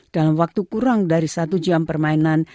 dalam waktu kurang dari satu jam permainan